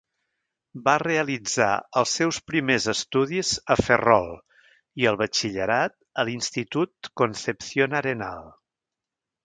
Va realitzar els seus primers estudis a Ferrol i el batxillerat a l'institut Concepción Arenal.